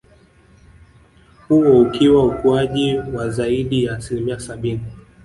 Huo ukiwa ukuaji wa zaidi ya asilimia sabini